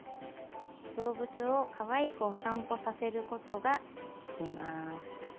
動物をかわいくお散歩させることができます。